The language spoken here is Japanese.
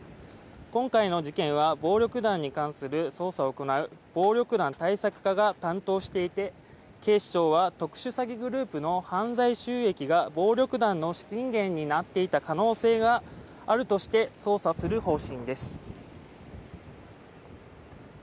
今回の事件は暴力団に関する捜査を行う暴力団対策課が担当していて警視庁は特殊詐欺グループの犯罪収益が暴力団の資金源になっていた可能性があるとして捜査する方針です。